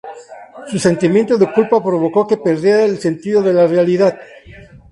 Su sentimiento de culpa provocó que perdiera el sentido de la realidad.